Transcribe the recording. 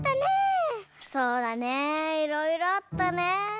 そうだねいろいろあったねぇ。